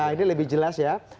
ini lebih jelas ya